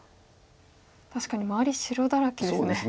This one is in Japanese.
確かに周り白だらけですね。